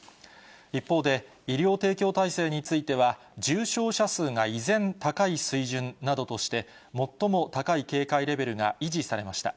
一方で、医療提供体制については、重症者数が依然高い水準などとして、最も高い警戒レベルが維持されました。